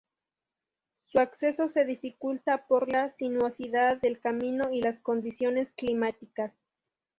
Su acceso se dificulta por la sinuosidad del camino y las condiciones climáticas.